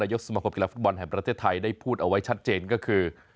ยกสมคมกีฬาฟุตบอลแห่งประเทศไทยได้พูดเอาไว้ชัดเจนก็คือ